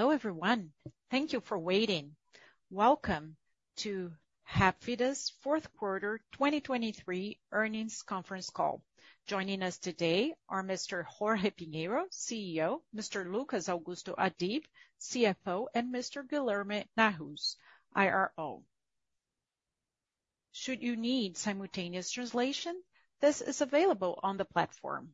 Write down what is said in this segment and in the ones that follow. Hello everyone, thank you for waiting. Welcome to Hapvida's 4th quarter 2023 earnings conference call. Joining us today are Mr. Jorge Pinheiro, CEO; Mr. Luccas Augusto Adib, CFO; and Mr. Guilherme Nahuz, IRO. Should you need simultaneous translation, this is available on the platform.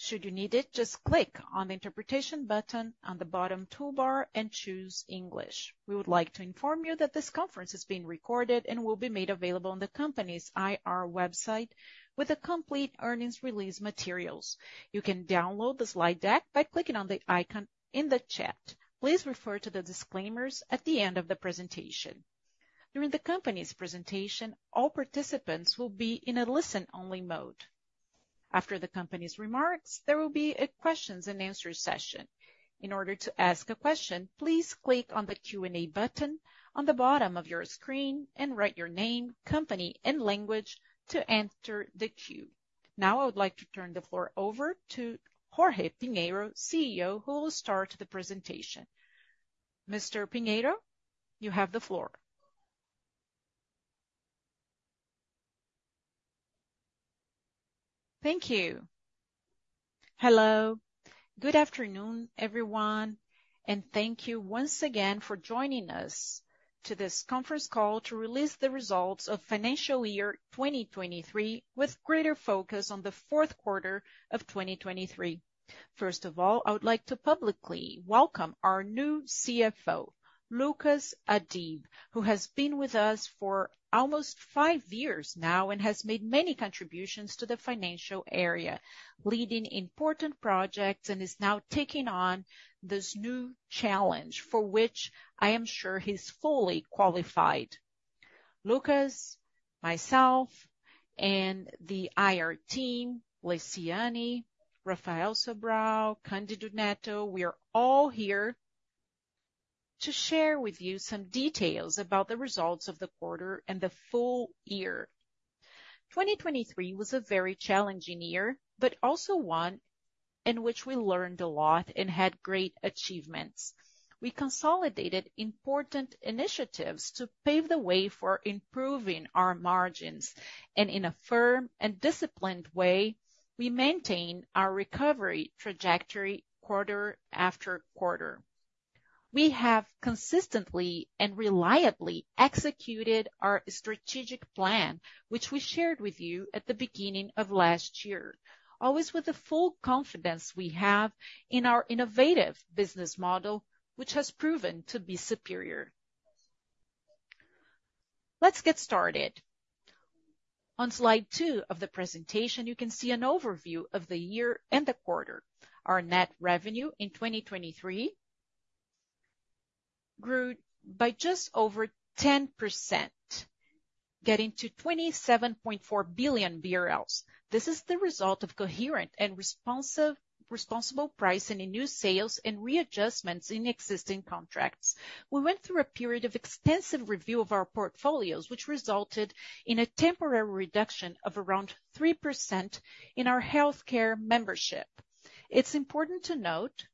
Should you need it, just click on the interpretation button on the bottom toolbar and choose English. We would like to inform you that this conference is being recorded and will be made available on the company's IR website with the complete earnings release materials. You can download the slide deck by clicking on the icon in the chat. Please refer to the disclaimers at the end of the presentation. During the company's presentation, all participants will be in a listen-only mode. After the company's remarks, there will be a questions-and-answers session. In order to ask a question, please click on the Q&A button on the bottom of your screen and write your name, company, and language to enter the queue. Now I would like to turn the floor over to Jorge Pinheiro, CEO, who will start the presentation. Mr. Pinheiro, you have the floor. Thank you. Hello, good afternoon everyone, and thank you once again for joining us to this conference call to release the results of financial year 2023 with greater focus on the 4th quarter of 2023. First of all, I would like to publicly welcome our new CFO, Luccas Adib, who has been with us for almost five years now and has made many contributions to the financial area, leading important projects and is now taking on this new challenge for which I am sure he's fully qualified. Luccas, myself, and the IR team, Lacyane, Rafael Sobral, Candido Neto, we are all here to share with you some details about the results of the quarter and the full year. 2023 was a very challenging year, but also one in which we learned a lot and had great achievements. We consolidated important initiatives to pave the way for improving our margins, and in a firm and disciplined way, we maintain our recovery trajectory quarter after quarter. We have consistently and reliably executed our strategic plan, which we shared with you at the beginning of last year, always with the full confidence we have in our innovative business model, which has proven to be superior. Let's get started. On slide two of the presentation, you can see an overview of the year and the quarter. Our net revenue in 2023 grew by just over 10%, getting to 27.4 billion BRL. This is the result of coherent and responsible pricing in new sales and readjustments in existing contracts. We went through a period of extensive review of our portfolios, which resulted in a temporary reduction of around 3% in our healthcare membership. It's important to note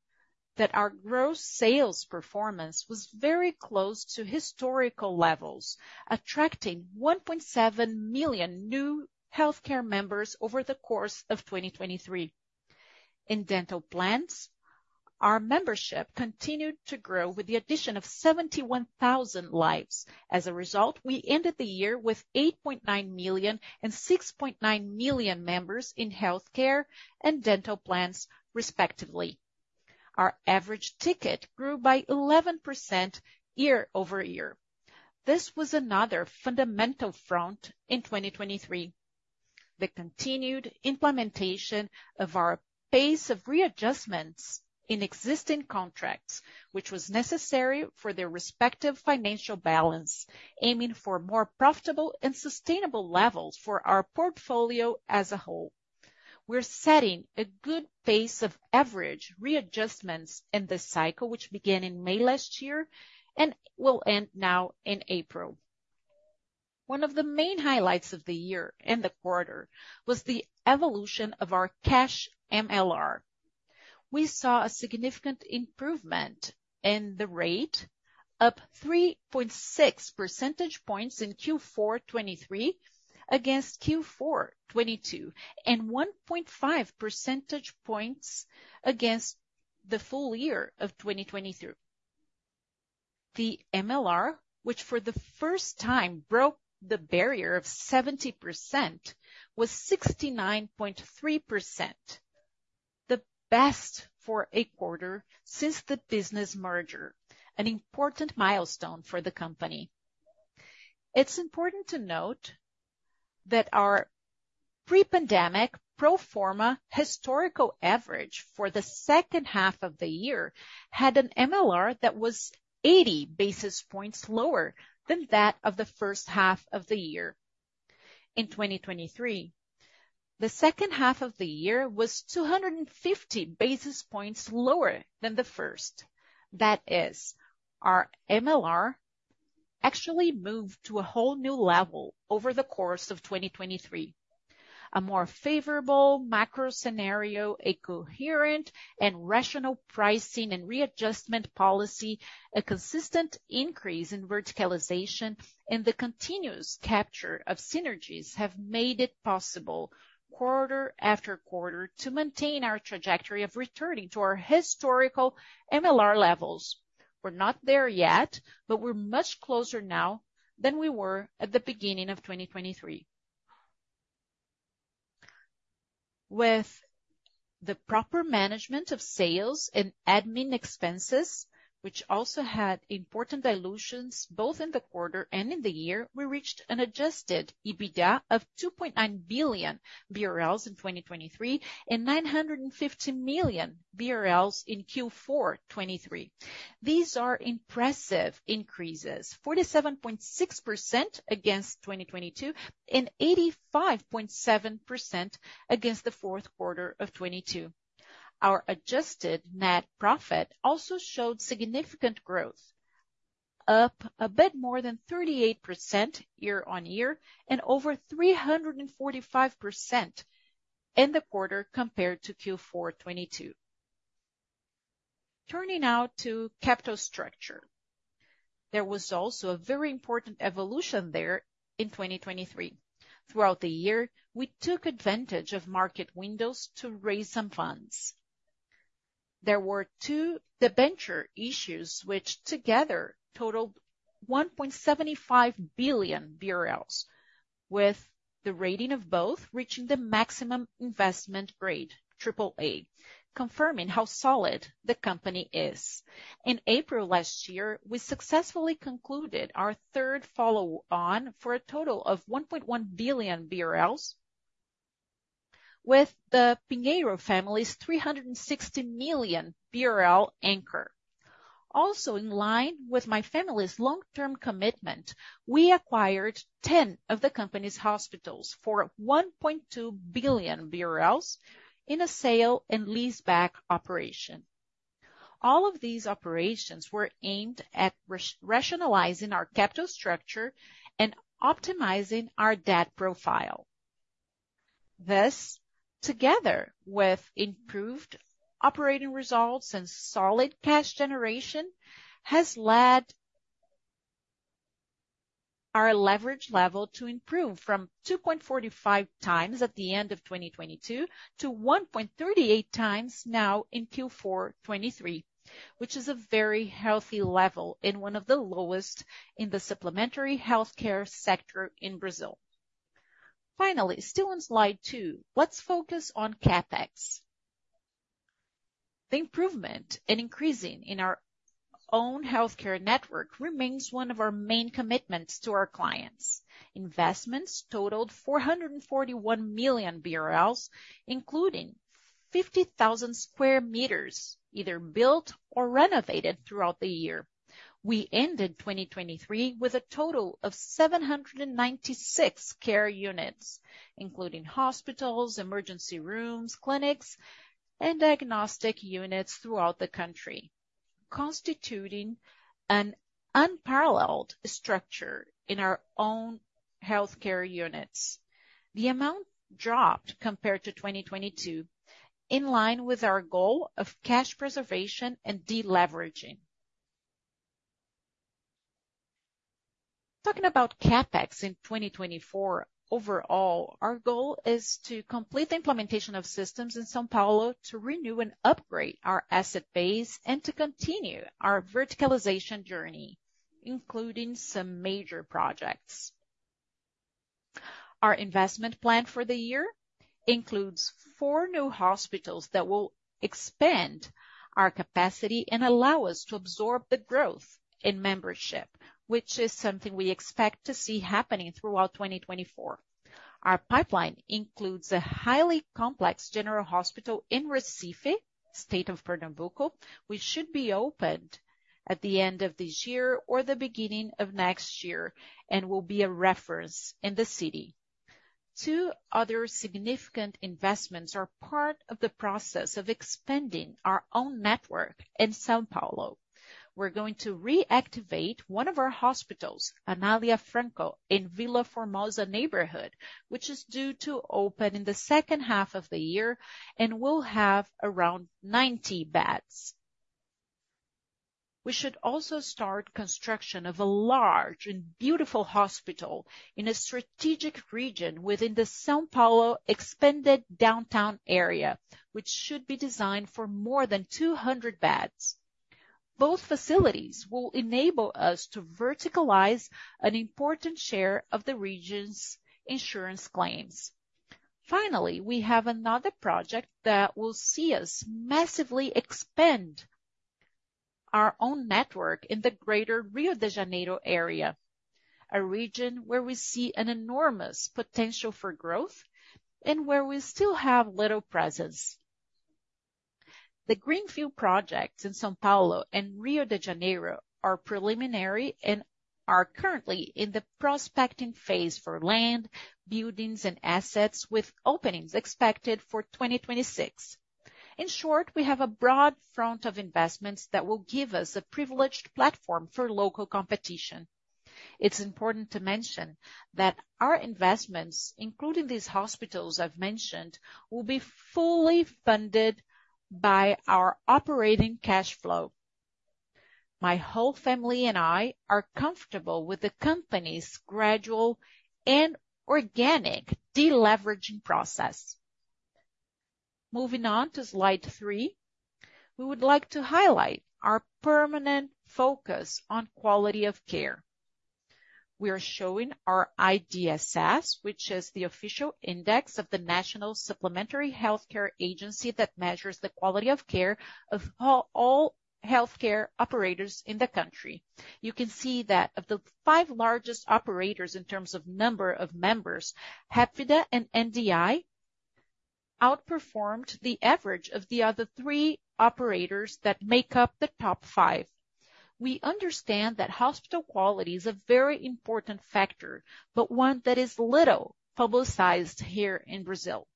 that our gross sales performance was very close to historical levels, attracting 1.7 million new healthcare members over the course of 2023. In dental plans, our membership continued to grow with the addition of 71,000 lives. As a result, we ended the year with 8.9 million and 6.9 million members in healthcare and dental plans, respectively. Our average ticket grew by 11% year-over-year. This was another fundamental front in 2023. The continued implementation of our pace of readjustments in existing contracts, which was necessary for their respective financial balance, aiming for more profitable and sustainable levels for our portfolio as a whole. We're setting a good pace of average readjustments in this cycle, which began in May last year and will end now in April. One of the main highlights of the year and the quarter was the evolution of our cash MLR. We saw a significant improvement in the rate, up 3.6% points in Q4 2023 against Q4 2022 and 1.5% points against the full year of 2023. The MLR, which for the first time broke the barrier of 70%, was 69.3%, the best for a quarter since the business merger, an important milestone for the company. It's important to note that our pre-pandemic pro forma historical average for the second half of the year had an MLR that was 80 basis points lower than that of the first half of the year. In 2023, the second half of the year was 250 basis points lower than the first. That is, our MLR actually moved to a whole new level over the course of 2023. A more favorable macro scenario, a coherent and rational pricing and readjustment policy, a consistent increase in verticalization, and the continuous capture of synergies have made it possible, quarter after quarter, to maintain our trajectory of returning to our historical MLR levels. We're not there yet, but we're much closer now than we were at the beginning of 2023. With the proper management of sales and admin expenses, which also had important dilutions both in the quarter and in the year, we reached an adjusted EBITDA of 2.9 billion BRL in 2023 and 950 million BRL in Q4 2023. These are impressive increases, 47.6% against 2022 and 85.7% against the 4th quarter of 2022. Our adjusted net profit also showed significant growth, up a bit more than 38% year-on-year and over 345% in the quarter compared to Q4 2022. Turning now to capital structure. There was also a very important evolution there in 2023. Throughout the year, we took advantage of market windows to raise some funds. There were two debenture issues, which together totaled 1.75 billion BRL, with the rating of both reaching the maximum investment grade, AAA, confirming how solid the company is. In April last year, we successfully concluded our third follow-on for a total of 1.1 billion BRL, with the Pinheiro family's 360 million BRL anchor. Also in line with my family's long-term commitment, we acquired 10 of the company's hospitals for BRL 1.2 billion in a sale and leaseback operation. All of these operations were aimed at rationalizing our capital structure and optimizing our debt profile. This, together with improved operating results and solid cash generation, has led our leverage level to improve from 2.45x at the end of 2022 to 1.38x now in Q4 2023, which is a very healthy level and one of the lowest in the supplementary healthcare sector in Brazil. Finally, still on slide two, let's focus on CapEx. The improvement and increasing in our own healthcare network remains one of our main commitments to our clients. Investments totaled 441 million BRL, including 50,000 square meters either built or renovated throughout the year. We ended 2023 with a total of 796 care units, including hospitals, emergency rooms, clinics, and diagnostic units throughout the country, constituting an unparalleled structure in our own healthcare units. The amount dropped compared to 2022, in line with our goal of cash preservation and deleveraging. Talking about CapEx in 2024 overall, our goal is to complete the implementation of systems in São Paulo to renew and upgrade our asset base and to continue our verticalization journey, including some major projects. Our investment plan for the year includes four new hospitals that will expand our capacity and allow us to absorb the growth in membership, which is something we expect to see happening throughout 2024. Our pipeline includes a highly complex general hospital in Recife, state of Pernambuco, which should be opened at the end of this year or the beginning of next year and will be a reference in the city. Two other significant investments are part of the process of expanding our own network in São Paulo. We're going to reactivate one of our hospitals, Anália Franco, in Vila Formosa neighborhood, which is due to open in the second half of the year and will have around 90 beds. We should also start construction of a large and beautiful hospital in a strategic region within the São Paulo expanded downtown area, which should be designed for more than 200 beds. Both facilities will enable us to verticalize an important share of the region's insurance claims. Finally, we have another project that will see us massively expand our own network in the greater Rio de Janeiro area, a region where we see an enormous potential for growth and where we still have little presence. The Greenfield projects in São Paulo and Rio de Janeiro are preliminary and are currently in the prospecting phase for land, buildings, and assets, with openings expected for 2026. In short, we have a broad front of investments that will give us a privileged platform for local competition. It's important to mention that our investments, including these hospitals I've mentioned, will be fully funded by our operating cash flow. My whole family and I are comfortable with the company's gradual and organic deleveraging process. Moving on to slide three, we would like to highlight our permanent focus on quality of care. We are showing our IDSS, which is the official index of the National Supplementary Healthcare Agency that measures the quality of care of all healthcare operators in the country. You can see that of the five largest operators in terms of number of members, Hapvida and NDI outperformed the average of the other three operators that make up the top five. We understand that hospital quality is a very important factor, but one that is little publicized here in Brazil.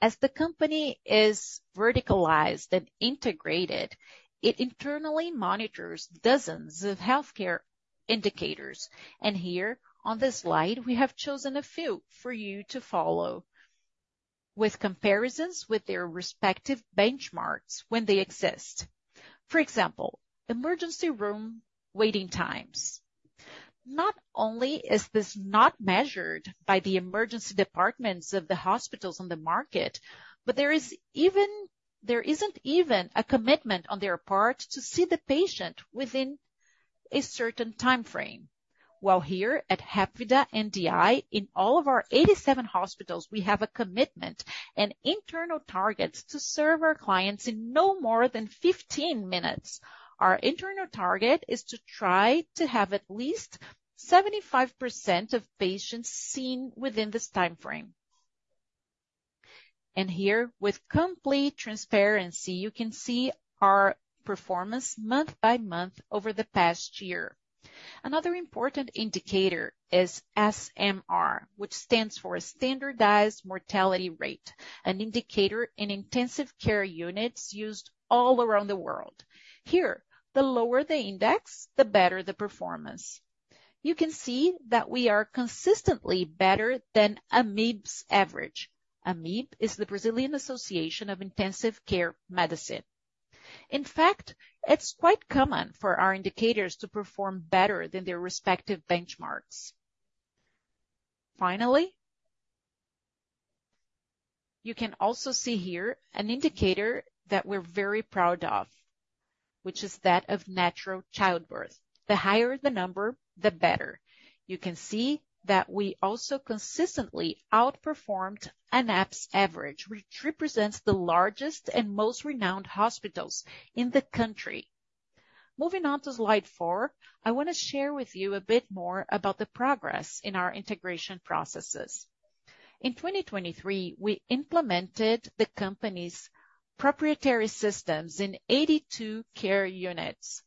As the company is verticalized and integrated, it internally monitors dozens of healthcare indicators, and here on this slide, we have chosen a few for you to follow, with comparisons with their respective benchmarks when they exist. For example, emergency room waiting times. Not only is this not measured by the emergency departments of the hospitals on the market, but there isn't even a commitment on their part to see the patient within a certain timeframe. While here at Hapvida and NDI, in all of our 87 hospitals, we have a commitment and internal targets to serve our clients in no more than 15 minutes. Our internal target is to try to have at least 75% of patients seen within this timeframe. Here, with complete transparency, you can see our performance month by month over the past year. Another important indicator is SMR, which stands for a standardized mortality rate, an indicator in intensive care units used all around the world. Here, the lower the index, the better the performance. You can see that we are consistently better than AMIB's average. AMIB is the Brazilian Association of Intensive Care Medicine. In fact, it's quite common for our indicators to perform better than their respective benchmarks. Finally, you can also see here an indicator that we're very proud of, which is that of natural childbirth. The higher the number, the better. You can see that we also consistently outperformed ANAHP's average, which represents the largest and most renowned hospitals in the country. Moving on to slide four, I want to share with you a bit more about the progress in our integration processes. In 2023, we implemented the company's proprietary systems in 82 care units,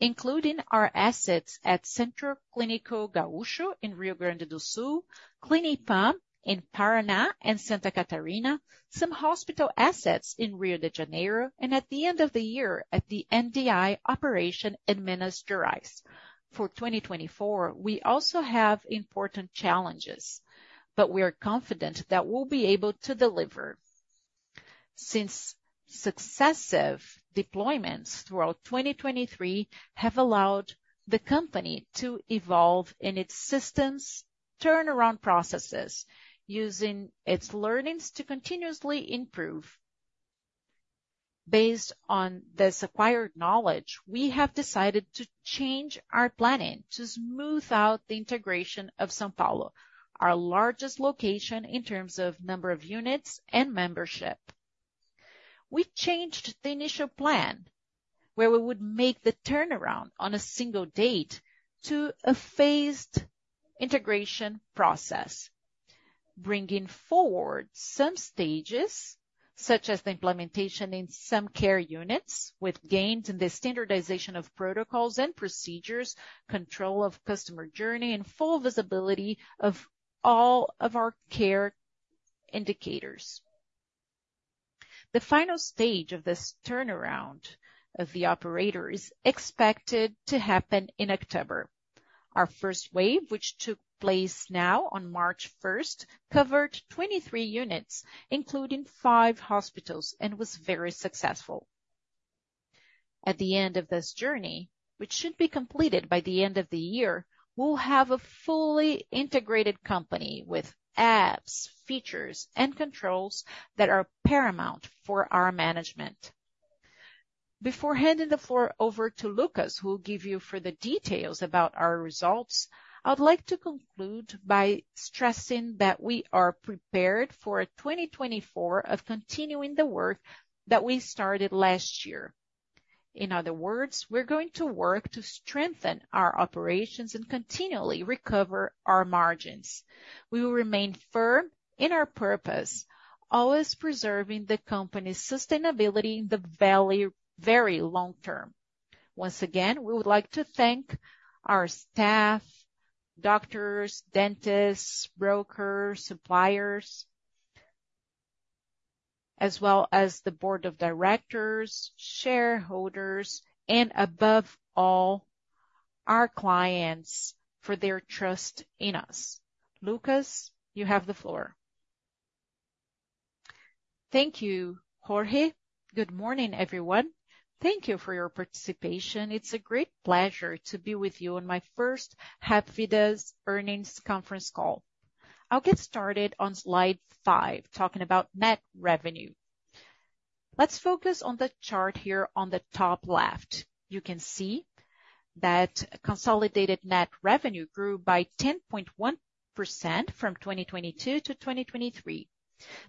including our assets at Centro Clínico Gaúcho in Rio Grande do Sul, Clinipam in Paraná and Santa Catarina, some hospital assets in Rio de Janeiro, and at the end of the year, at the NDI operation administration. For 2024, we also have important challenges, but we are confident that we'll be able to deliver. Since successive deployments throughout 2023 have allowed the company to evolve in its systems, turnaround processes, using its learnings to continuously improve. Based on this acquired knowledge, we have decided to change our planning to smooth out the integration of São Paulo, our largest location in terms of number of units and membership. We changed the initial plan, where we would make the turnaround on a single date to a phased integration process, bringing forward some stages, such as the implementation in some care units, with gains in the standardization of protocols and procedures, control of customer journey, and full visibility of all of our care indicators. The final stage of this turnaround of the operator is expected to happen in October. Our first wave, which took place now on March 1st, covered 23 units, including five hospitals, and was very successful. At the end of this journey, which should be completed by the end of the year, we'll have a fully integrated company with apps, features, and controls that are paramount for our management. Before handing the floor over to Luccas, who will give you further details about our results, I'd like to conclude by stressing that we are prepared for 2024 of continuing the work that we started last year. In other words, we're going to work to strengthen our operations and continually recover our margins. We will remain firm in our purpose, always preserving the company's sustainability in the valley very long term. Once again, we would like to thank our staff, doctors, dentists, brokers, suppliers, as well as the board of directors, shareholders, and above all, our clients for their trust in us. Luccas, you have the floor. Thank you, Jorge. Good morning, everyone. Thank you for your participation. It's a great pleasure to be with you on my first Hapvida's earnings conference call. I'll get started on slide five, talking about net revenue. Let's focus on the chart here on the top left. You can see that consolidated net revenue grew by 10.1% from 2022 to 2023.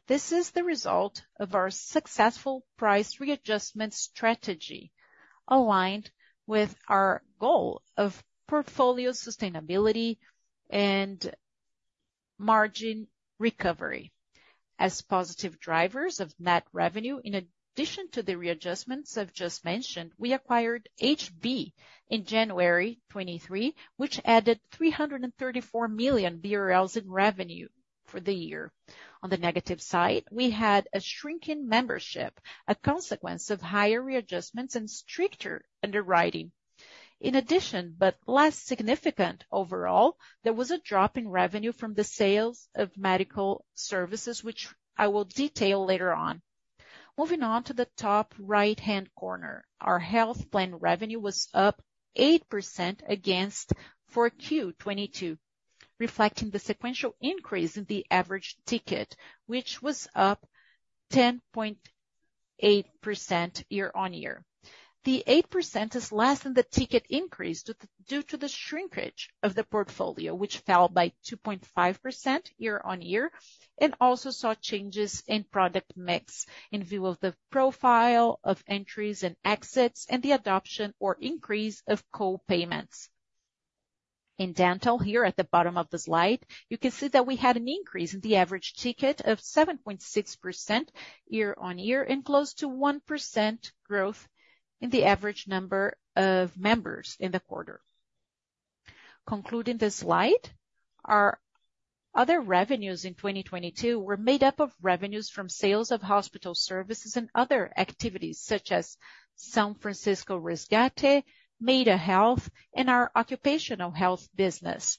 This is the result of our successful price readjustment strategy aligned with our goal of portfolio sustainability and margin recovery. As positive drivers of net revenue, in addition to the readjustments I've just mentioned, we acquired HB in January 2023, which added 334 million BRL in revenue for the year. On the negative side, we had a shrinking membership, a consequence of higher readjustments and stricter underwriting. In addition, but less significant overall, there was a drop in revenue from the sales of medical services, which I will detail later on. Moving on to the top right-hand corner, our health plan revenue was up 8% against Q2 2022, reflecting the sequential increase in the average ticket, which was up 10.8% year on year. The 8% is less than the ticket increase due to the shrinkage of the portfolio, which fell by 2.5% year-on-year and also saw changes in product mix in view of the profile of entries and exits and the adoption or increase of co-payments. In dental here at the bottom of the slide, you can see that we had an increase in the average ticket of 7.6% year-on-year and close to 1% growth in the average number of members in the quarter. Concluding this slide, our other revenues in 2022 were made up of revenues from sales of hospital services and other activities such as San Francisco Resgate, Maida Health, and our occupational health business.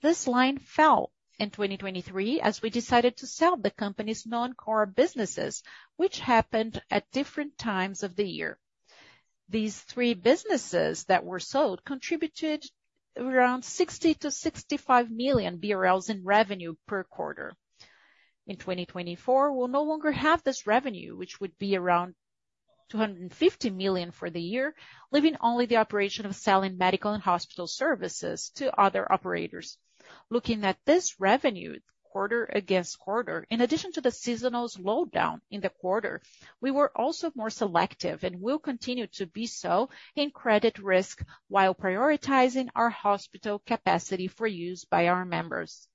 This line fell in 2023 as we decided to sell the company's non-core businesses, which happened at different times of the year. These three businesses that were sold contributed around 60 million-65 million BRL in revenue per quarter. In 2024, we'll no longer have this revenue, which would be around 250 million for the year, leaving only the operation of selling medical and hospital services to other operators. Looking at this revenue quarter against quarter, in addition to the seasonal slowdown in the quarter, we were also more selective and will continue to be so in credit risk while prioritizing our hospital capacity for use by our members.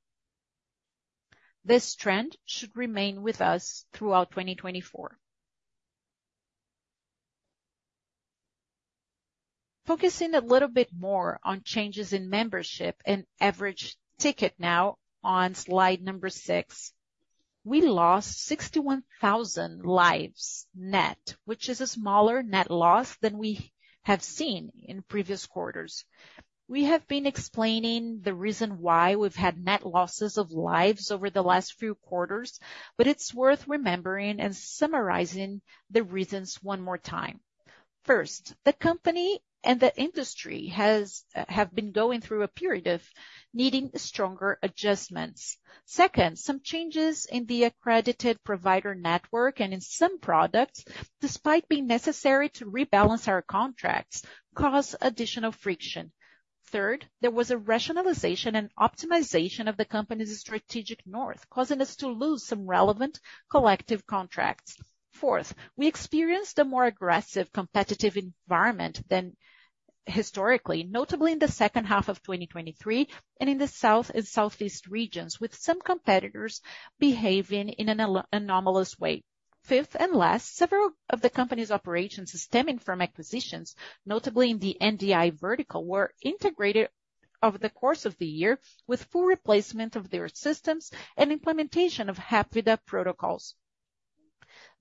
This trend should remain with us throughout 2024. Focusing a little bit more on changes in membership and average ticket now on slide number six, we lost 61,000 lives net, which is a smaller net loss than we have seen in previous quarters. We have been explaining the reason why we've had net losses of lives over the last few quarters, but it's worth remembering and summarizing the reasons one more time. First, the company and the industry have been going through a period of needing stronger adjustments. Second, some changes in the accredited provider network and in some products, despite being necessary to rebalance our contracts, caused additional friction. Third, there was a rationalization and optimization of the company's strategic north, causing us to lose some relevant collective contracts. Fourth, we experienced a more aggressive competitive environment than historically, notably in the second half of 2023 and in the south and southeast regions, with some competitors behaving in an anomalous way. Fifth and last, several of the company's operations stemming from acquisitions, notably in the NDI vertical, were integrated over the course of the year with full replacement of their systems and implementation of Hapvida protocols.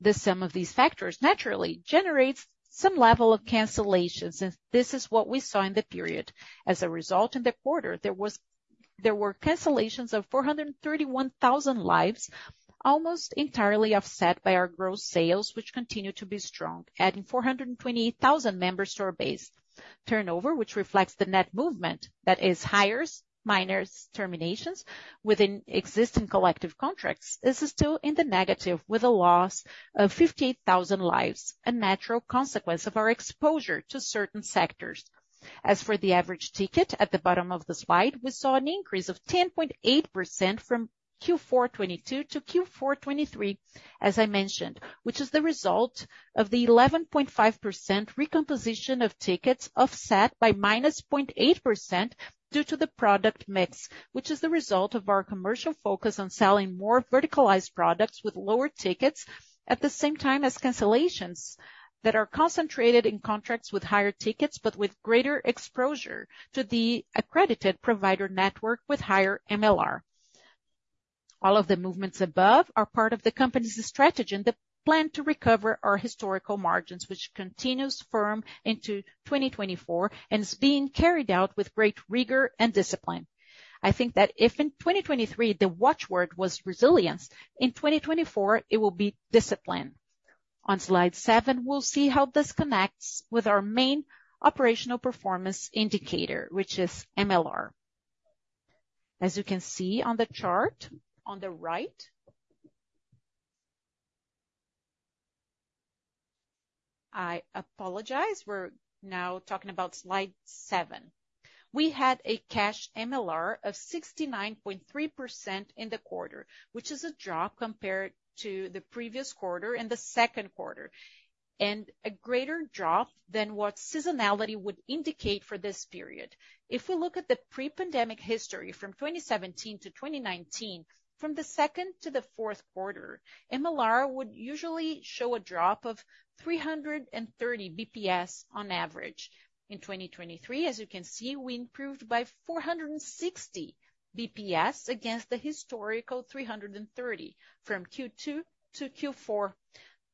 The sum of these factors, naturally, generates some level of cancellations, and this is what we saw in the period. As a result, in the quarter, there were cancellations of 431,000 lives, almost entirely offset by our gross sales, which continue to be strong, adding 428,000 members to our base. Turnover, which reflects the net movement, that is hires, minors, terminations within existing collective contracts, is still in the negative with a loss of 58,000 lives, a natural consequence of our exposure to certain sectors. As for the average ticket, at the bottom of the slide, we saw an increase of 10.8% from Q4 2022 to Q4 2023, as I mentioned, which is the result of the 11.5% recomposition of tickets offset by minus 0.8% due to the product mix, which is the result of our commercial focus on selling more verticalized products with lower tickets at the same time as cancellations that are concentrated in contracts with higher tickets, but with greater exposure to the accredited provider network with higher MLR. All of the movements above are part of the company's strategy and the plan to recover our historical margins, which continues firm into 2024 and is being carried out with great rigor and discipline. I think that if in 2023 the watchword was resilience, in 2024 it will be discipline. On slide seven, we'll see how this connects with our main operational performance indicator, which is MLR. As you can see on the chart on the right, I apologize, we're now talking about slide seven. We had a cash MLR of 69.3% in the quarter, which is a drop compared to the previous quarter and the second quarter, and a greater drop than what seasonality would indicate for this period. If we look at the pre-pandemic history from 2017 to 2019, from the second to the fourth quarter, MLR would usually show a drop of 330 BPS on average. In 2023, as you can see, we improved by 460 BPS against the historical 330 BPS from Q2 to Q4.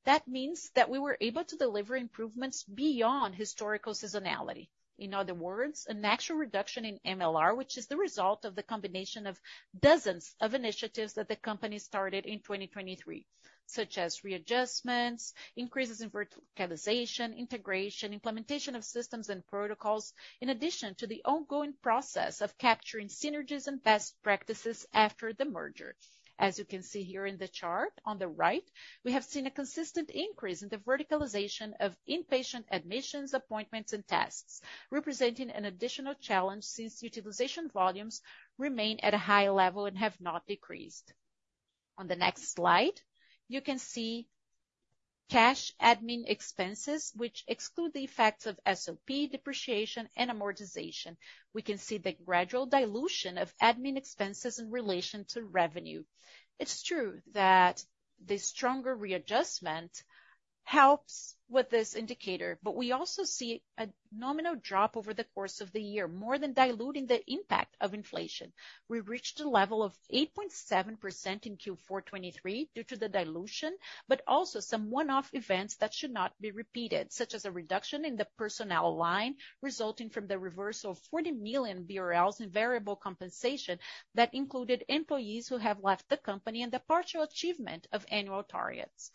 That means that we were able to deliver improvements beyond historical seasonality. In other words, a natural reduction in MLR, which is the result of the combination of dozens of initiatives that the company started in 2023, such as readjustments, increases in verticalization, integration, implementation of systems and protocols, in addition to the ongoing process of capturing synergies and best practices after the merger. As you can see here in the chart on the right, we have seen a consistent increase in the verticalization of inpatient admissions, appointments, and tests, representing an additional challenge since utilization volumes remain at a high level and have not decreased. On the next slide, you can see cash admin expenses, which exclude the effects of SOP, depreciation, and amortization. We can see the gradual dilution of admin expenses in relation to revenue. It's true that the stronger readjustment helps with this indicator, but we also see a nominal drop over the course of the year, more than diluting the impact of inflation. We reached a level of 8.7% in Q4 2023 due to the dilution, but also some one-off events that should not be repeated, such as a reduction in the personnel line resulting from the reversal of 40 million BRL in variable compensation that included employees who have left the company and the partial achievement of annual targets.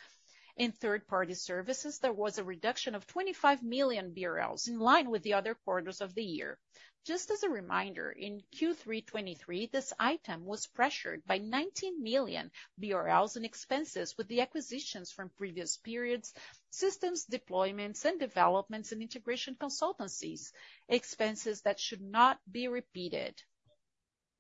In third-party services, there was a reduction of 25 million BRL in line with the other quarters of the year. Just as a reminder, in Q3 2023, this item was pressured by 19 million BRL in expenses with the acquisitions from previous periods, systems deployments and developments, and integration consultancies expenses that should not be repeated.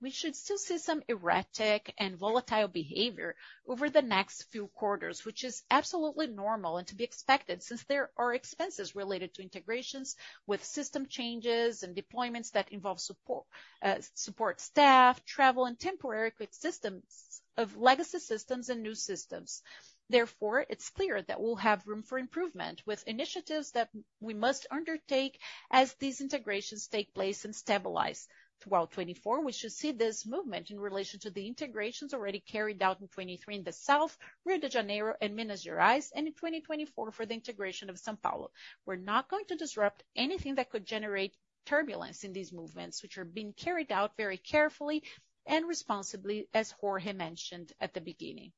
We should still see some erratic and volatile behavior over the next few quarters, which is absolutely normal and to be expected since there are expenses related to integrations with system changes and deployments that involve support staff, travel, and temporary systems of legacy systems and new systems. Therefore, it's clear that we'll have room for improvement with initiatives that we must undertake as these integrations take place and stabilize. Throughout 2024, we should see this movement in relation to the integrations already carried out in 2023 in the south, Rio de Janeiro, and Minas Gerais, and in 2024 for the integration of São Paulo. We're not going to disrupt anything that could generate turbulence in these movements, which are being carried out very carefully and responsibly, as Jorge mentioned at the beginning.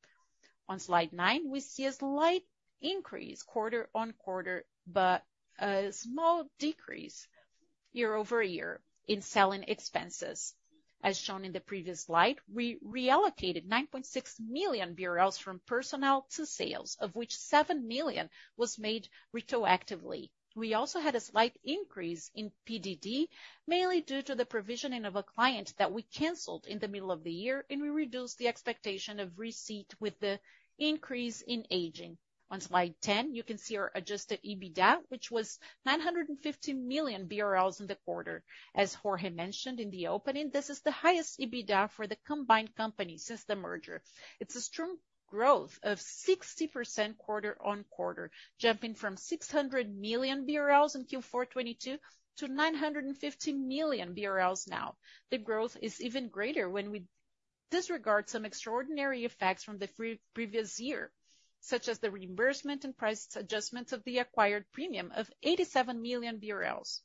On slide nine, we see a slight increase quarter-on-quarter, but a small decrease year-over-year in selling expenses. As shown in the previous slide, we relocated 9.6 million BRL from personnel to sales, of which 7 million was made retroactively. We also had a slight increase in PDD, mainly due to the provisioning of a client that we canceled in the middle of the year, and we reduced the expectation of receipt with the increase in aging. On slide 10, you can see our adjusted EBITDA, which was 950 million BRL in the quarter. As Jorge mentioned in the opening, this is the highest EBITDA for the combined company since the merger. It's a strong growth of 60% quarter-on-quarter, jumping from 600 million BRL in Q4 2022 to 950 million BRL now. The growth is even greater when we disregard some extraordinary effects from the previous year, such as the reimbursement and price adjustments of the acquired premium of 87 million BRL.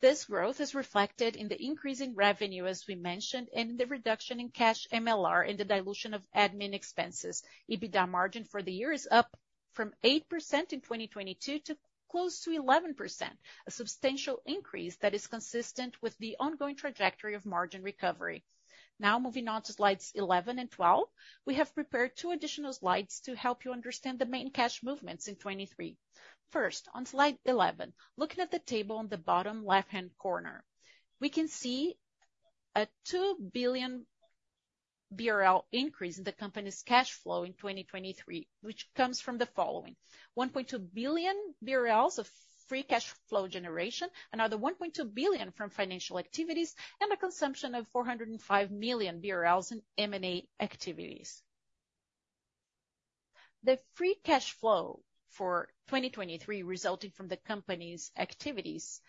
This growth is reflected in the increasing revenue, as we mentioned, and in the reduction in cash MLR and the dilution of admin expenses. EBITDA margin for the year is up from 8% in 2022 to close to 11%, a substantial increase that is consistent with the ongoing trajectory of margin recovery. Now, moving on to slides 11 and 12, we have prepared two additional slides to help you understand the main cash movements in 2023. First, on slide 11, looking at the table on the bottom left-hand corner, we can see a 2 billion BRL increase in the company's cash flow in 2023, which comes from the following: 1.2 billion BRL of free cash flow generation, another 1.2 billion from financial activities, and a consumption of 405 million BRL in M&A activities. The free cash flow for 2023 resulting from the company's activities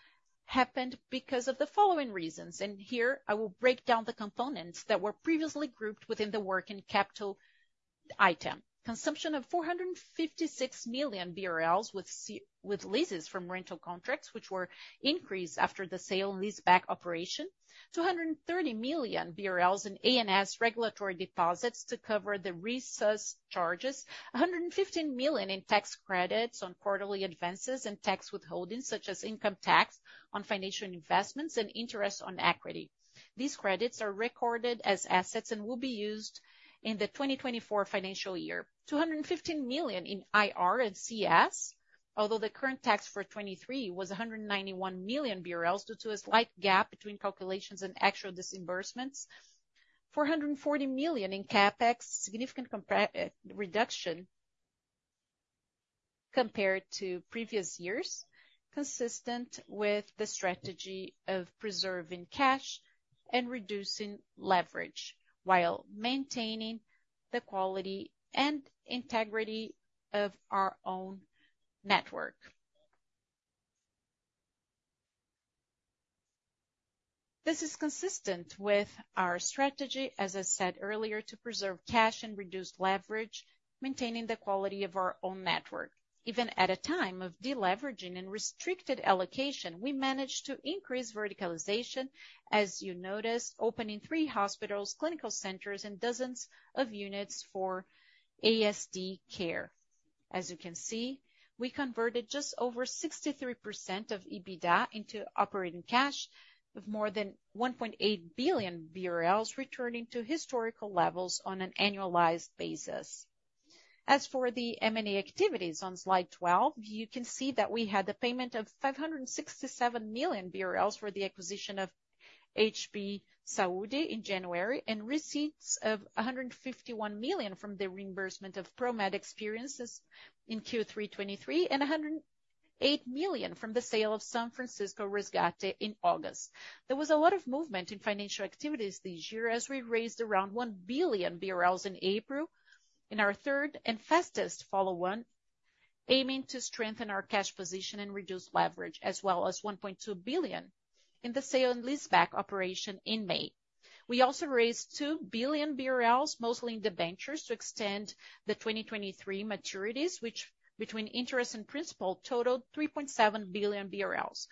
happened because of the following reasons, and here I will break down the components that were previously grouped within the work and capital item. Consumption of 456 million BRL with leases from rental contracts, which were increased after the sale and lease-back operation. 230 million BRL in ANS regulatory deposits to cover the resource charges. 115 million in tax credits on quarterly advances and tax withholdings, such as income tax on financial investments and interest on equity. These credits are recorded as assets and will be used in the 2024 financial year. 215 million in IR and CS, although the current tax for 2023 was 191 million BRL due to a slight gap between calculations and actual disbursements. 440 million in CapEx, significant reduction compared to previous years, consistent with the strategy of preserving cash and reducing leverage while maintaining the quality and integrity of our own network. This is consistent with our strategy, as I said earlier, to preserve cash and reduce leverage, maintaining the quality of our own network. Even at a time of deleveraging and restricted allocation, we managed to increase verticalization, as you noticed, opening three hospitals, clinical centers, and dozens of units for ASD care. As you can see, we converted just over 63% of EBITDA into operating cash, with more than 1.8 billion BRL returning to historical levels on an annualized basis. As for the M&A activities, on slide 12, you can see that we had the payment of 567 million BRL for the acquisition of HB Saúde in January and receipts of 151 million from the reimbursement of Promed expenses in Q3 2023 and 108 million from the sale of San Francisco Resgate in August. There was a lot of movement in financial activities this year as we raised around 1 billion BRL in April in our third and fastest follow-on, aiming to strengthen our cash position and reduce leverage, as well as 1.2 billion in the sale and lease-back operation in May. We also raised 2 billion BRL, mostly in debentures, to extend the 2023 maturities, which, between interest and principal, totaled 3.7 billion BRL.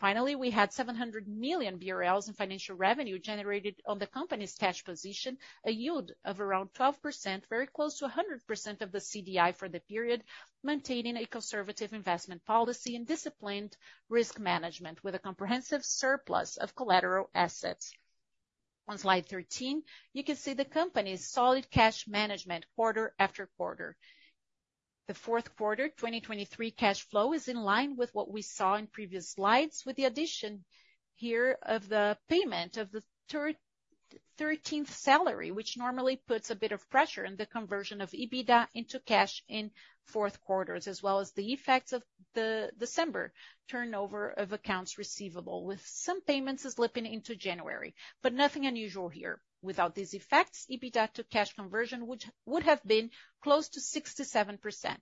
Finally, we had 700 million BRL in financial revenue generated on the company's cash position, a yield of around 12%, very close to 100% of the CDI for the period, maintaining a conservative investment policy and disciplined risk management with a comprehensive surplus of collateral assets. On slide 13, you can see the company's solid cash management quarter after quarter. The fourth quarter, 2023 cash flow is in line with what we saw in previous slides, with the addition here of the payment of the 13th salary, which normally puts a bit of pressure on the conversion of EBITDA into cash in fourth quarters, as well as the effects of the December turnover of accounts receivable, with some payments slipping into January, but nothing unusual here. Without these effects, EBITDA to cash conversion would have been close to 67%.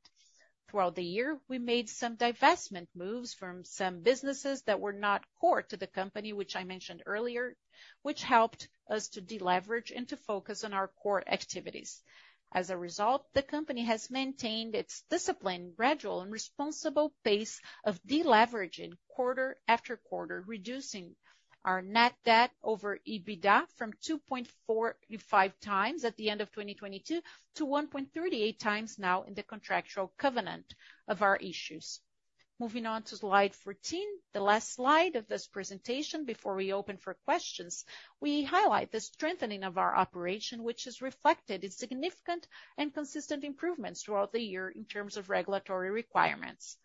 Throughout the year, we made some divestment moves from some businesses that were not core to the company, which I mentioned earlier, which helped us to deleverage and to focus on our core activities. As a result, the company has maintained its disciplined, gradual, and responsible pace of deleveraging quarter after quarter, reducing our net debt over EBITDA from 2.45x at the end of 2022 to 1.38x now in the contractual covenant of our issues. Moving on to slide 14, the last slide of this presentation before we open for questions, we highlight the strengthening of our operation, which is reflected in significant and consistent improvements throughout the year in terms of regulatory requirements.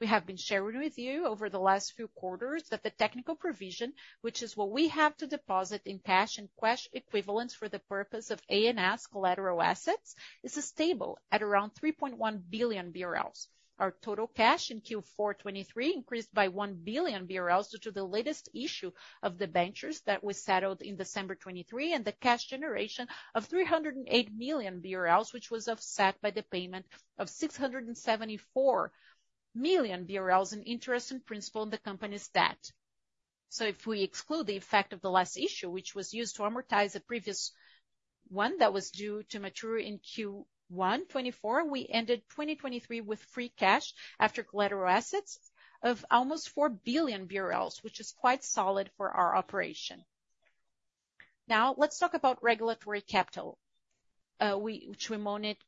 We have been sharing with you over the last few quarters that the technical provision, which is what we have to deposit in cash and cash equivalents for the purpose of ANS collateral assets, is stable at around 3.1 billion BRL. Our total cash in Q4 2023 increased by 1 billion BRL due to the latest issue of debentures that was settled in December 2023 and the cash generation of 308 million BRL, which was offset by the payment of 674 million BRL in interest and principal on the company's debt. So if we exclude the effect of the last issue, which was used to amortize a previous one that was due to mature in Q1 2024, we ended 2023 with free cash after collateral assets of almost 4 billion BRL, which is quite solid for our operation. Now, let's talk about regulatory capital, which we monitor closely.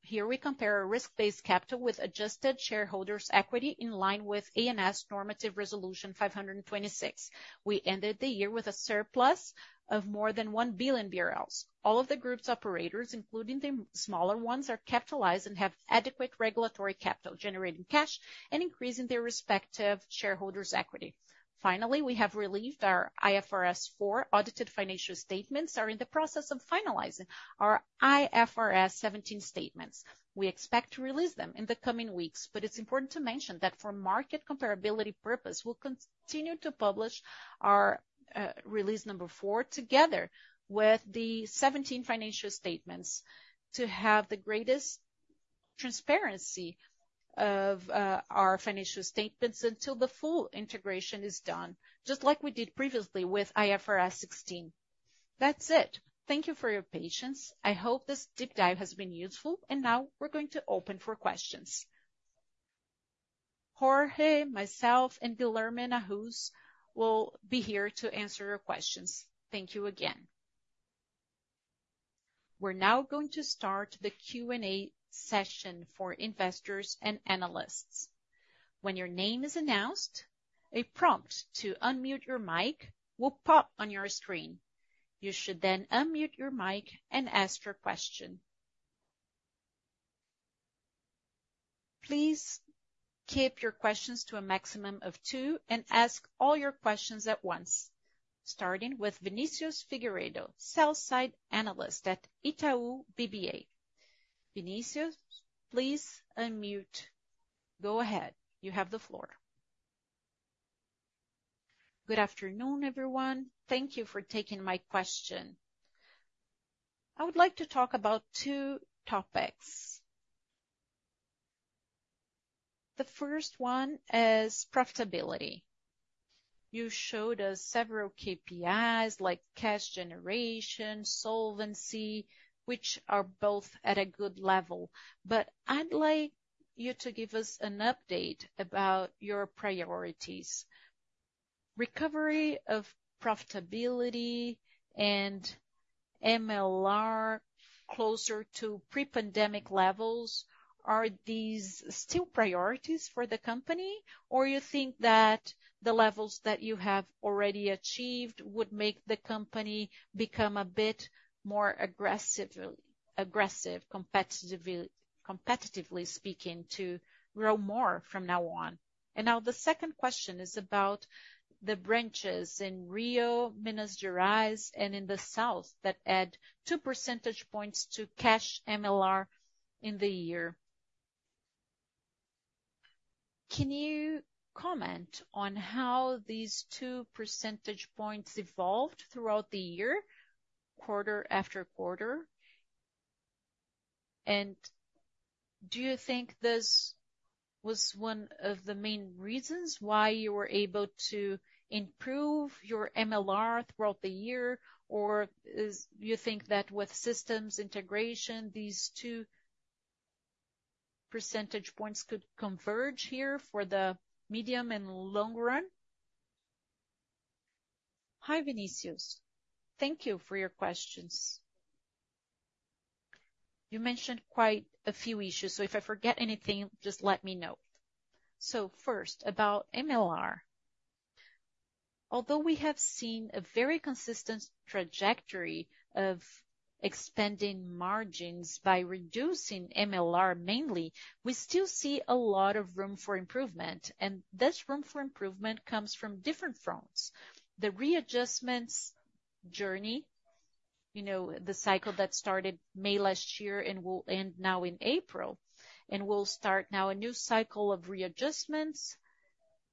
Here we compare risk-based capital with adjusted shareholders' equity in line with ANS Normative Resolution 526. We ended the year with a surplus of more than 1 billion BRL. All of the group's operators, including the smaller ones, are capitalized and have adequate regulatory capital, generating cash and increasing their respective shareholders' equity. Finally, we have released our IFRS 4 audited financial statements and are in the process of finalizing our IFRS 17 statements. We expect to release them in the coming weeks, but it's important to mention that for market comparability purposes, we'll continue to publish our IFRS 4 together with the IFRS 17 financial statements to have the greatest transparency of our financial statements until the full integration is done, just like we did previously with IFRS 16. That's it. Thank you for your patience. I hope this deep dive has been useful, and now we're going to open for questions. Jorge, myself, and Guilherme Nahuz will be here to answer your questions. Thank you again. We're now going to start the Q&A session for investors and analysts. When your name is announced, a prompt to unmute your mic will pop on your screen. You should then unmute your mic and ask your question. Please keep your questions to a maximum of two and ask all your questions at once, starting with Vinicius Figueiredo, sell-side analyst at Itaú BBA. Vinicius, please unmute. Go ahead. You have the floor. Good afternoon, everyone. Thank you for taking my question. I would like to talk about two topics. The first one is profitability. You showed us several KPIs like cash generation, solvency, which are both at a good level, but I'd like you to give us an update about your priorities. Recovery of profitability and MLR closer to pre-pandemic levels, are these still priorities for the company, or do you think that the levels that you have already achieved would make the company become a bit more aggressive, competitively speaking, to grow more from now on? Now the second question is about the branches in Rio, Minas Gerais, and in the south that add 2% points to cash MLR in the year. Can you comment on how these 2% points evolved throughout the year, quarter after quarter? Do you think this was one of the main reasons why you were able to improve your MLR throughout the year, or do you think that with systems integration, these 2% points could converge here for the medium and long run? Hi, Vinicius. Thank you for your questions. You mentioned quite a few issues, so if I forget anything, just let me know. First, about MLR. Although we have seen a very consistent trajectory of expanding margins by reducing MLR mainly, we still see a lot of room for improvement, and this room for improvement comes from different fronts. The readjustment journey, the cycle that started May last year and will end now in April, and we'll start now a new cycle of readjustments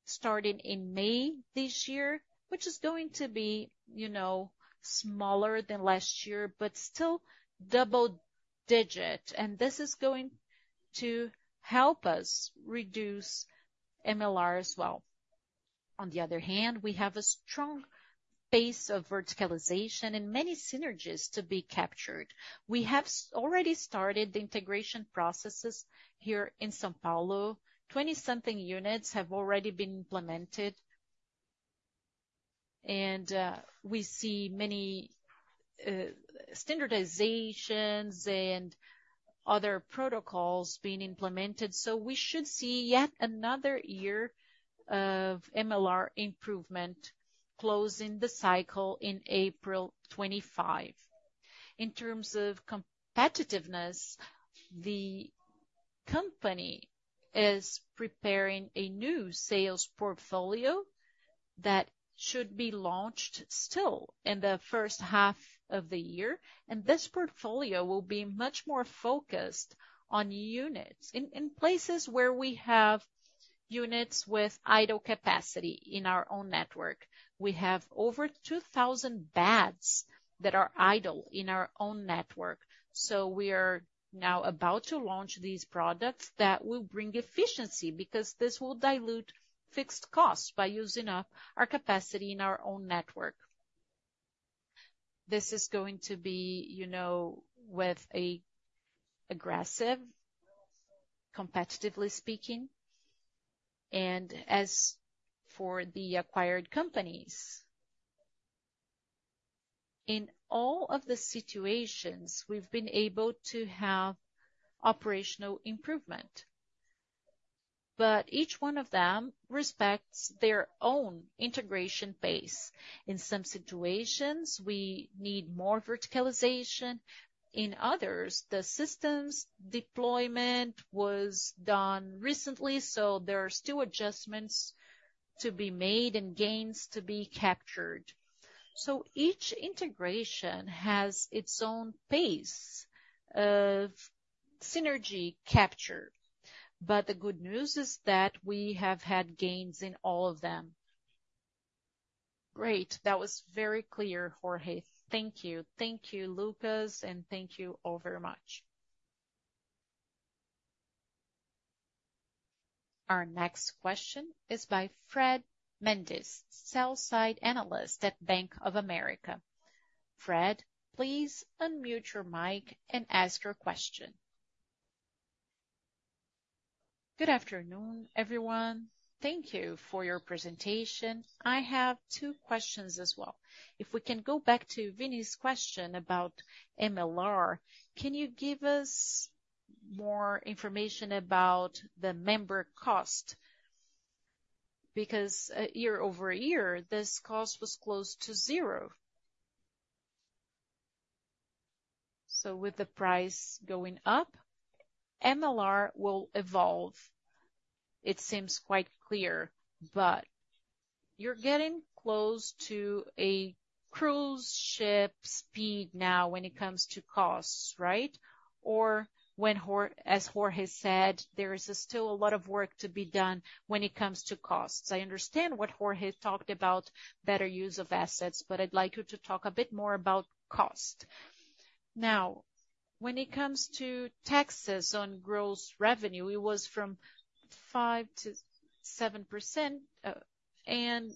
starting in May this year, which is going to be smaller than last year but still double-digit, and this is going to help us reduce MLR as well. On the other hand, we have a strong pace of verticalization and many synergies to be captured. We have already started the integration processes here in São Paulo. Twenty-something units have already been implemented, and we see many standardizations and other protocols being implemented, so we should see yet another year of MLR improvement closing the cycle in April 2025. In terms of competitiveness, the company is preparing a new sales portfolio that should be launched still in the first half of the year, and this portfolio will be much more focused on units in places where we have units with idle capacity in our own network. We have over 2,000 beds that are idle in our own network, so we are now about to launch these products that will bring efficiency because this will dilute fixed costs by using up our capacity in our own network. This is going to be with aggressive, competitively speaking, and as for the acquired companies, in all of the situations, we've been able to have operational improvement, but each one of them respects their own integration pace. In some situations, we need more verticalization. In others, the systems deployment was done recently, so there are still adjustments to be made and gains to be captured. So each integration has its own pace of synergy capture, but the good news is that we have had gains in all of them. Great. That was very clear, Jorge. Thank you. Thank you, Lucas, and thank you all very much. Our next question is by Fred Mendes, sell-side analyst at Bank of America. Fred, please unmute your mic and ask your question. Good afternoon, everyone. Thank you for your presentation. I have two questions as well. If we can go back to Vinny's question about MLR, can you give us more information about the member cost? Because year-over-year, this cost was close to zero. So with the price going up, MLR will evolve, it seems quite clear, but you're getting close to a cruise ship speed now when it comes to costs, right? Or, as Jorge said, there is still a lot of work to be done when it comes to costs. I understand what Jorge talked about, better use of assets, but I'd like you to talk a bit more about cost. Now, when it comes to taxes on gross revenue, it was from 5%-7%, and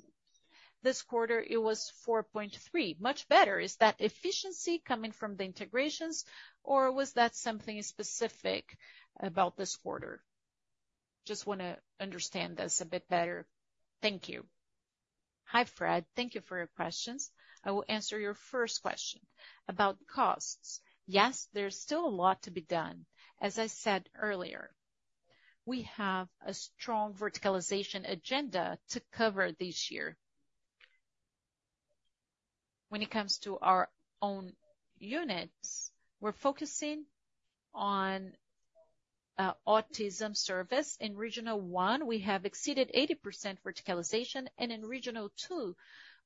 this quarter it was 4.3%. Much better. Is that efficiency coming from the integrations, or was that something specific about this quarter? Just want to understand this a bit better. Thank you. Hi, Fred. Thank you for your questions. I will answer your first question about costs. Yes, there's still a lot to be done, as I said earlier. We have a strong verticalization agenda to cover this year. When it comes to our own units, we're focusing on autism service. In Regional 1, we have exceeded 80% verticalization, and in Regional 2,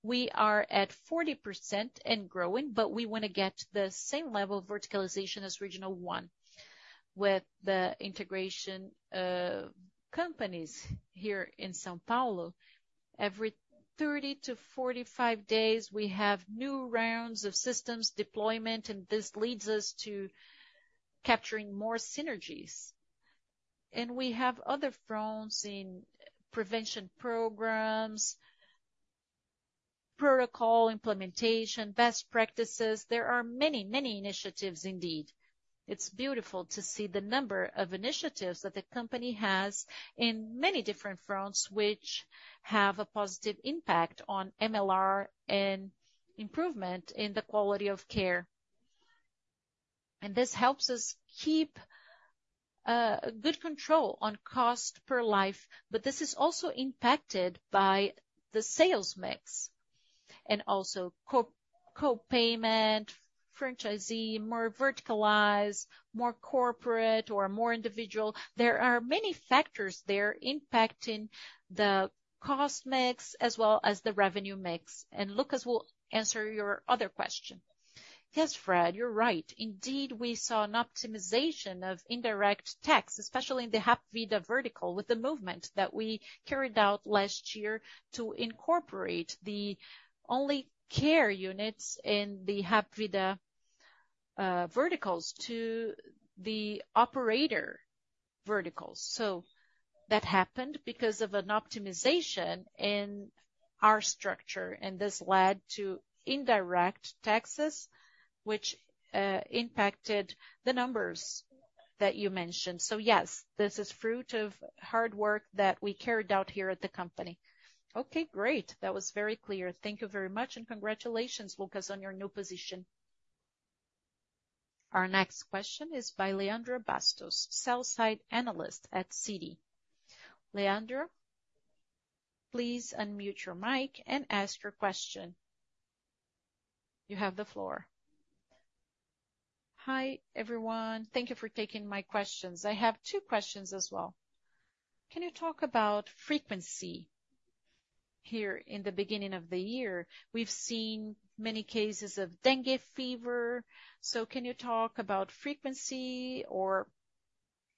we are at 40% and growing, but we want to get to the same level of verticalization as Regional 1. With the integration of companies here in São Paulo, every 30-45 days, we have new rounds of systems deployment, and this leads us to capturing more synergies. And we have other fronts in prevention programs, protocol implementation, best practices. There are many, many initiatives indeed. It's beautiful to see the number of initiatives that the company has in many different fronts which have a positive impact on MLR and improvement in the quality of care. And this helps us keep good control on cost per life, but this is also impacted by the sales mix and also copayment, franchisee, more verticalized, more corporate or more individual. There are many factors there impacting the cost mix as well as the revenue mix. And Luccas will answer your other question. Yes, Fred, you're right. Indeed, we saw an optimization of indirect tax, especially in the Hapvida vertical with the movement that we carried out last year to incorporate the only care units in the Hapvida verticals to the operator verticals. So that happened because of an optimization in our structure, and this led to indirect taxes which impacted the numbers that you mentioned. So yes, this is fruit of hard work that we carried out here at the company. Okay, great. That was very clear. Thank you very much and congratulations, Luccas, on your new position. Our next question is by Leandra Bastos, sell-side analyst at Citi. Leandra, please unmute your mic and ask your question. You have the floor. Hi, everyone. Thank you for taking my questions. I have two questions as well. Can you talk about frequency here in the beginning of the year? We've seen many cases of dengue fever, so can you talk about frequency or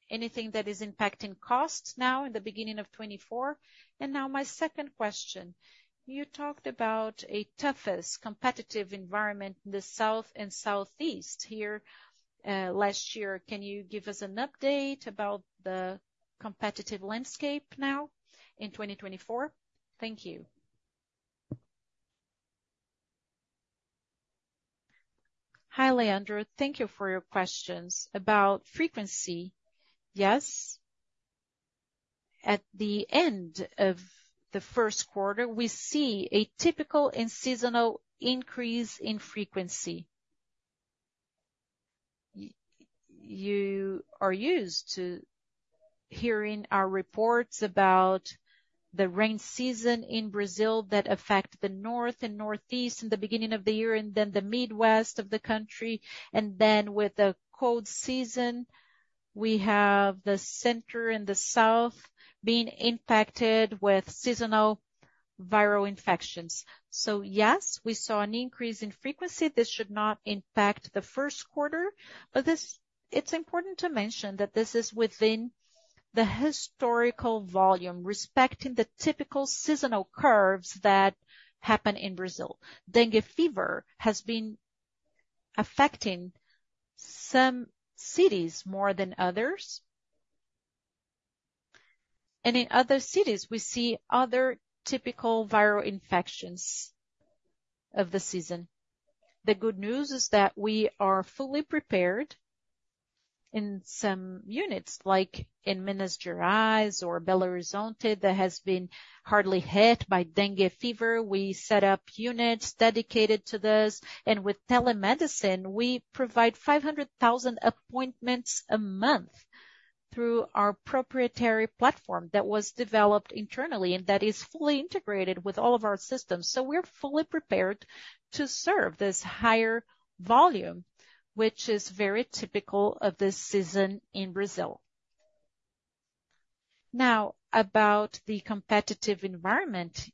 anything that is impacting costs now in the beginning of 2024? Now my second question. You talked about a toughest competitive environment in the south and southeast here last year. Can you give us an update about the competitive landscape now in 2024? Thank you. Hi, Leandra. Thank you for your questions. About frequency, yes. At the end of the first quarter, we see a typical and seasonal increase in frequency. You are used to hearing our reports about the rain season in Brazil that affects the north and northeast in the beginning of the year and then the midwest of the country. And then with the cold season, we have the center and the south being impacted with seasonal viral infections. So yes, we saw an increase in frequency. This should not impact the first quarter, but it's important to mention that this is within the historical volume respecting the typical seasonal curves that happen in Brazil. Dengue fever has been affecting some cities more than others, and in other cities, we see other typical viral infections of the season. The good news is that we are fully prepared in some units like in Minas Gerais or Belo Horizonte that has been hard hit by dengue fever. We set up units dedicated to this, and with telemedicine, we provide 500,000 appointments a month through our proprietary platform that was developed internally and that is fully integrated with all of our systems. So we're fully prepared to serve this higher volume, which is very typical of this season in Brazil. Now, about the competitive environment.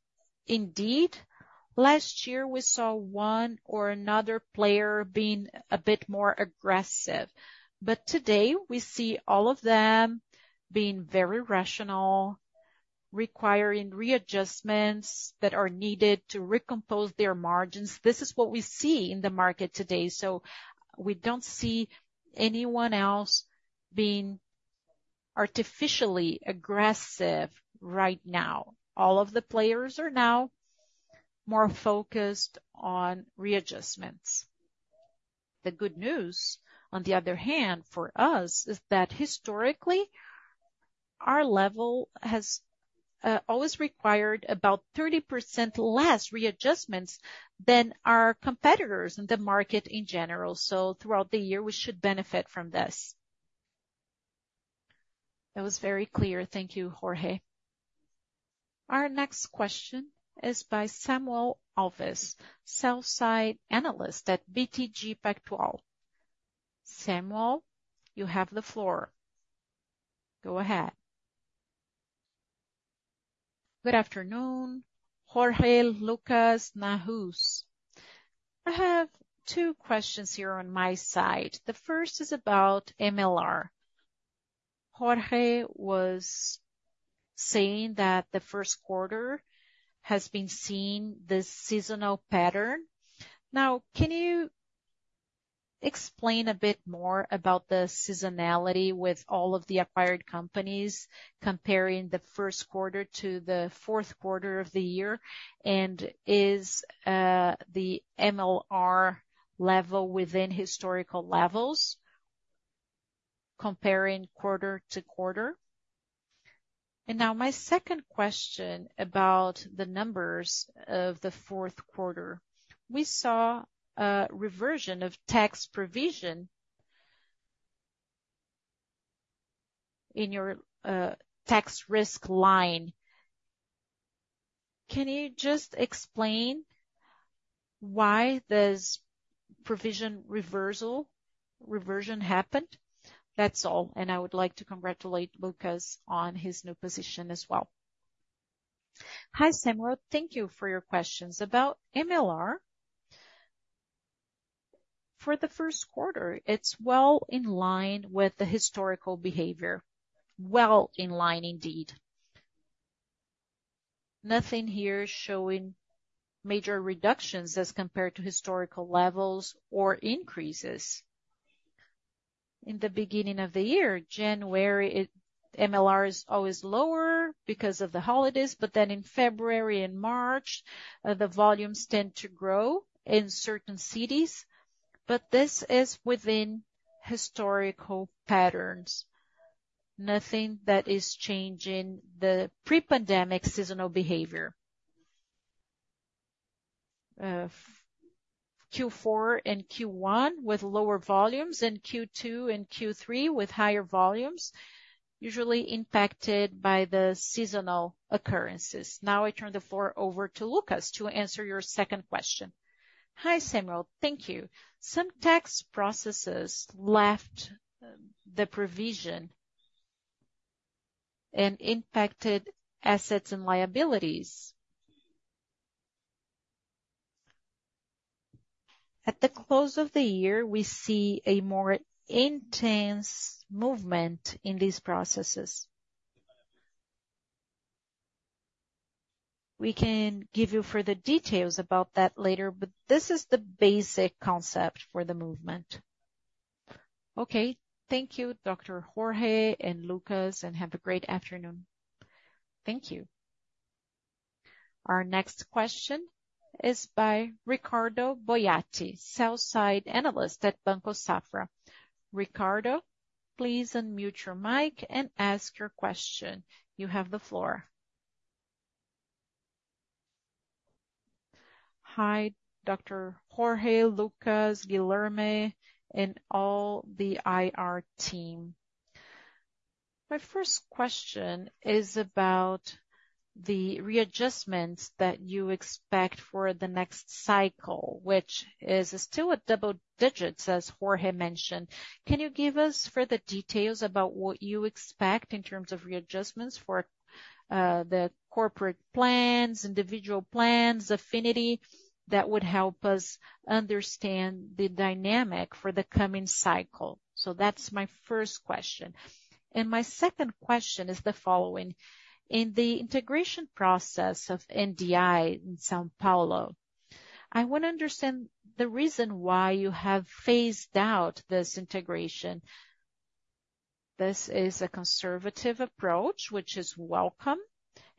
Indeed, last year, we saw one or another player being a bit more aggressive, but today, we see all of them being very rational, requiring readjustments that are needed to recompose their margins. This is what we see in the market today, so we don't see anyone else being artificially aggressive right now. All of the players are now more focused on readjustments. The good news, on the other hand, for us is that historically, our level has always required about 30% less readjustments than our competitors in the market in general. So throughout the year, we should benefit from this. That was very clear. Thank you, Jorge. Our next question is by Samuel Alves, sell-side analyst at BTG Pactual. Samuel, you have the floor. Go ahead. Good afternoon, Jorge, Luccas, Nahuz. I have two questions here on my side. The first is about MLR. Jorge was saying that the first quarter has been seeing this seasonal pattern. Now, can you explain a bit more about the seasonality with all of the acquired companies comparing the first quarter to the fourth quarter of the year? And is the MLR level within historical levels comparing quarter to quarter? And now my second question about the numbers of the fourth quarter. We saw a reversion of tax provision in your tax risk line. Can you just explain why this provision reversion happened? That's all, and I would like to congratulate Luccas on his new position as well. Hi, Samuel. Thank you for your questions. About MLR. For the first quarter, it's well in line with the historical behavior. Well in line, indeed. Nothing here showing major reductions as compared to historical levels or increases. In the beginning of the year, January, MLR is always lower because of the holidays, but then in February and March, the volumes tend to grow in certain cities. But this is within historical patterns. Nothing that is changing the pre-pandemic seasonal behavior. Q4 and Q1 with lower volumes and Q2 and Q3 with higher volumes, usually impacted by the seasonal occurrences. Now I turn the floor over to Luccas to answer your second question. Hi, Samuel. Thank you. Some tax processes left the provision and impacted assets and liabilities. At the close of the year, we see a more intense movement in these processes. We can give you further details about that later, but this is the basic concept for the movement. Okay. Thank you, Dr. Jorge and Luccas, and have a great afternoon. Thank you. Our next question is by Ricardo Boiati, sell-side analyst at Banco Safra. Ricardo, please unmute your mic and ask your question. You have the floor. Hi, Dr. Jorge, Luccas, Guilherme, and all the IR team. My first question is about the readjustments that you expect for the next cycle, which is still at double digits, as Jorge mentioned. Can you give us further details about what you expect in terms of readjustments for the corporate plans, individual plans, affinity that would help us understand the dynamic for the coming cycle? So that's my first question. And my second question is the following. In the integration process of NDI in São Paulo, I want to understand the reason why you have phased out this integration. This is a conservative approach, which is welcome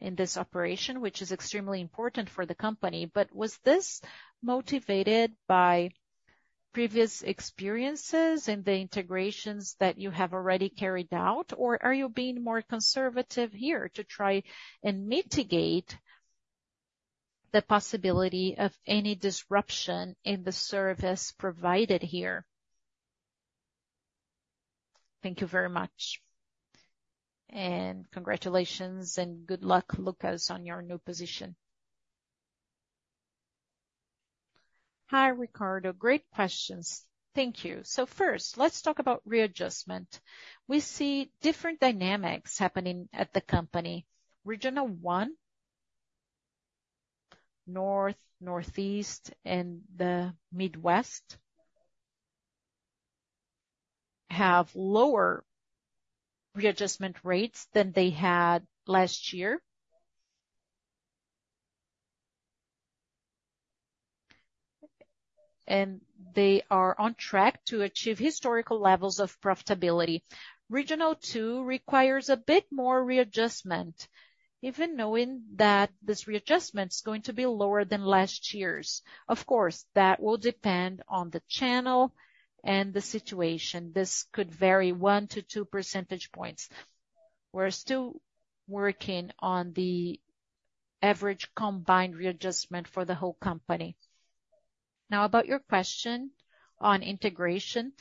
in this operation, which is extremely important for the company, but was this motivated by previous experiences in the integrations that you have already carried out, or are you being more conservative here to try and mitigate the possibility of any disruption in the service provided here? Thank you very much. Congratulations and good luck, Lucas, on your new position. Hi, Ricardo. Great questions. Thank you. So first, let's talk about readjustment. We see different dynamics happening at the company. Regional 1, North, Northeast, and the Midwest have lower readjustment rates than they had last year. They are on track to achieve historical levels of profitability. Regional 2 requires a bit more readjustment, even knowing that this readjustment is going to be lower than last year's. Of course, that will depend on the channel and the situation. This could vary 1%-2% points. We're still working on the average combined readjustment for the whole company. Now, about your question on integration.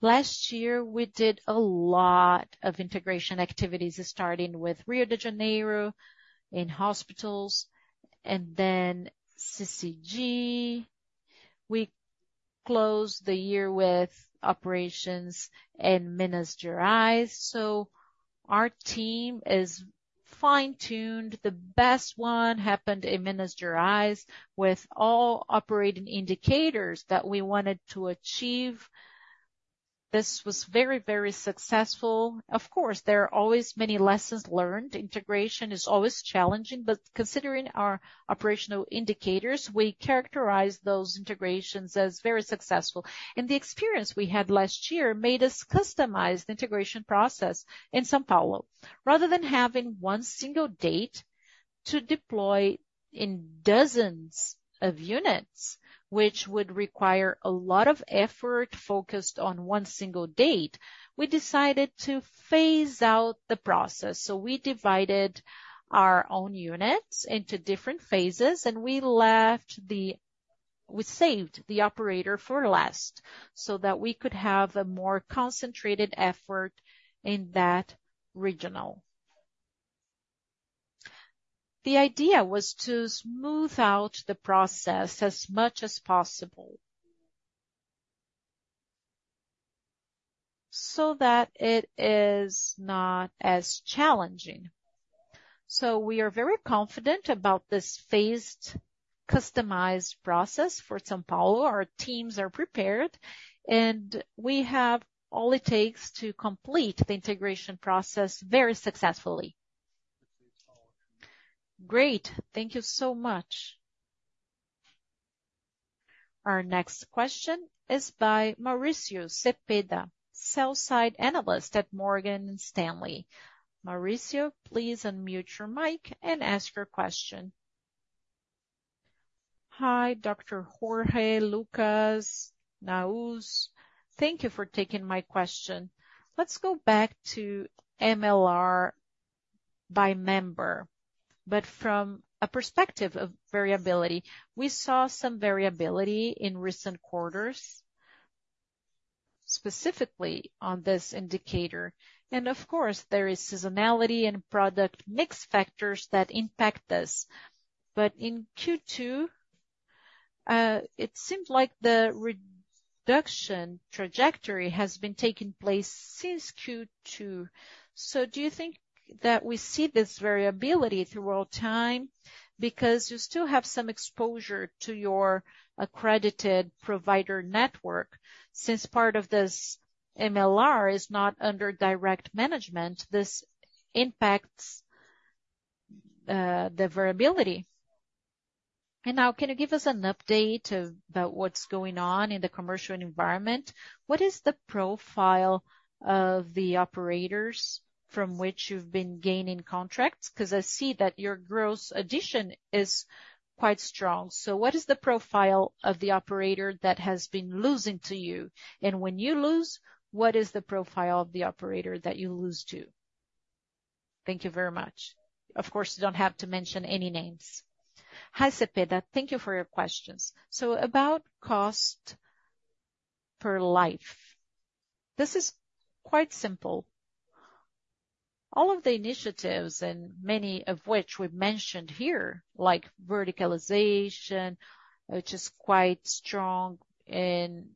Last year, we did a lot of integration activities, starting with Rio de Janeiro in hospitals and then CCG. We closed the year with operations in Minas Gerais. So our team is fine-tuned. The best one happened in Minas Gerais with all operating indicators that we wanted to achieve. This was very, very successful. Of course, there are always many lessons learned. Integration is always challenging, but considering our operational indicators, we characterize those integrations as very successful. The experience we had last year made us customize the integration process in São Paulo. Rather than having one single date to deploy in dozens of units, which would require a lot of effort focused on one single date, we decided to phase out the process. We divided our own units into different phases, and we saved the operator for last so that we could have a more concentrated effort in that regional. The idea was to smooth out the process as much as possible so that it is not as challenging. We are very confident about this phased customized process for São Paulo. Our teams are prepared, and we have all it takes to complete the integration process very successfully. Great. Thank you so much. Our next question is by Mauricio Cepeda, sell-side analyst at Morgan Stanley. Mauricio, please unmute your mic and ask your question. Hi, Dr. Jorge, Luccas, Nahuz. Thank you for taking my question. Let's go back to MLR by member, but from a perspective of variability, we saw some variability in recent quarters, specifically on this indicator. Of course, there is seasonality and product mix factors that impact this. In Q2, it seemed like the reduction trajectory has been taking place since Q2. Do you think that we see this variability throughout time because you still have some exposure to your accredited provider network? Since part of this MLR is not under direct management, this impacts the variability. Now, can you give us an update about what's going on in the commercial environment? What is the profile of the operators from which you've been gaining contracts? Because I see that your gross addition is quite strong. So what is the profile of the operator that has been losing to you? And when you lose, what is the profile of the operator that you lose to? Thank you very much. Of course, you don't have to mention any names. Hi, Cepeda. Thank you for your questions. So about cost per life. This is quite simple. All of the initiatives, and many of which we've mentioned here, like verticalization, which is quite strong in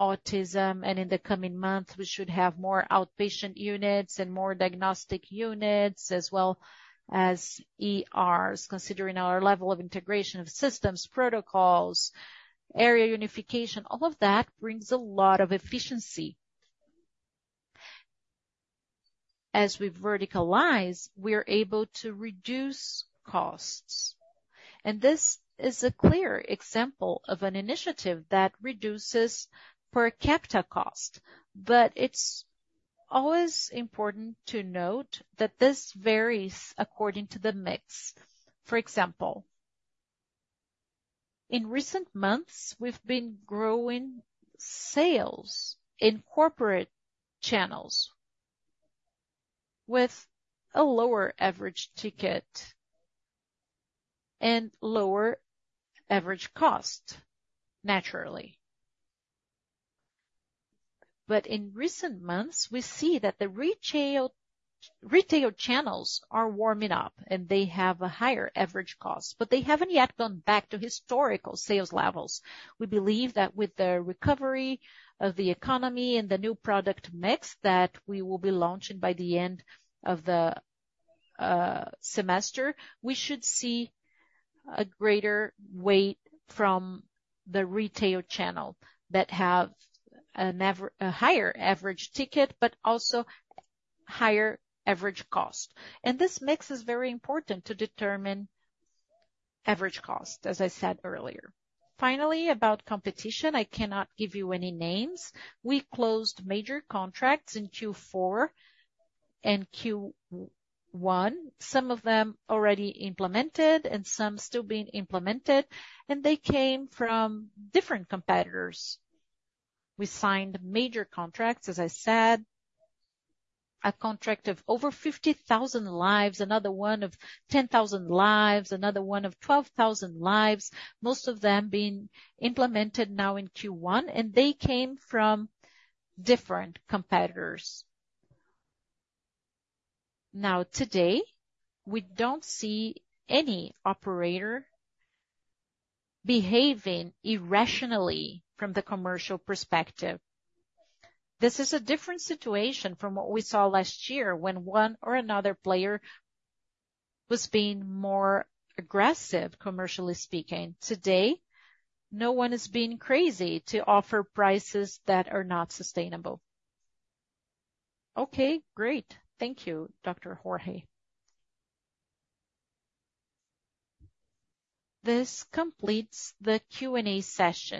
NDI, and in the coming months, we should have more outpatient units and more diagnostic units as well as ERs, considering our level of integration of systems, protocols, area unification. All of that brings a lot of efficiency. As we verticalize, we're able to reduce costs. And this is a clear example of an initiative that reduces per capita cost. But it's always important to note that this varies according to the mix. For example, in recent months, we've been growing sales in corporate channels with a lower average ticket and lower average cost, naturally. But in recent months, we see that the retail channels are warming up, and they have a higher average cost, but they haven't yet gone back to historical sales levels. We believe that with the recovery of the economy and the new product mix that we will be launching by the end of the semester, we should see a greater weight from the retail channel that have a higher average ticket, but also higher average cost. And this mix is very important to determine average cost, as I said earlier. Finally, about competition, I cannot give you any names. We closed major contracts in Q4 and Q1, some of them already implemented and some still being implemented, and they came from different competitors. We signed major contracts, as I said, a contract of over 50,000 lives, another one of 10,000 lives, another one of 12,000 lives, most of them being implemented now in Q1, and they came from different competitors. Now, today, we don't see any operator behaving irrationally from the commercial perspective. This is a different situation from what we saw last year when one or another player was being more aggressive, commercially speaking. Today, no one is being crazy to offer prices that are not sustainable. Okay, great. Thank you, Dr. Jorge. This completes the Q&A session.